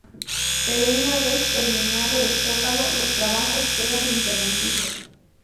Pero una vez terminado el zócalo, los trabajos quedan interrumpidos.